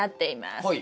はい。